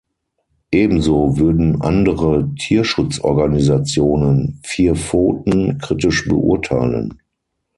Ebenso würden andere Tierschutzorganisationen "Vier Pfoten" kritisch beurteilen.